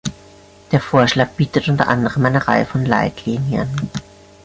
Der Vorschlag bietet unter anderem eine Reihe von Leitlinien.